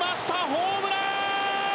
ホームラン！